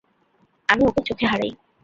আমি ওকে চোখে হারাই।